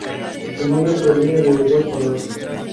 Su nombre proviene de dos palabras.